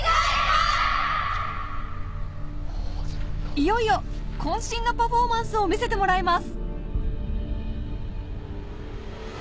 いよいよ渾身のパフォーマンスを見せてもらいます